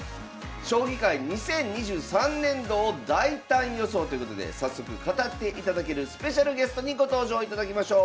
将棋界２０２３年度を大胆予想ということで早速語っていただけるスペシャルゲストにご登場いただきましょう。